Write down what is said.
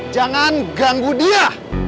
jangan ganggu dia